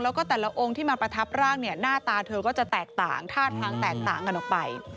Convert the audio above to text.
แล้วก็แต่ละองค์ที่มาประทับร่างเนี่ยหน้าตาเธอก็จะแตกต่างท่าทางแตกต่างกันออกไป